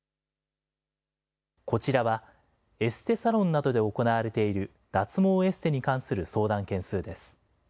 こちらは、エステサロンなどで行われている脱毛エステに関する相談件数です。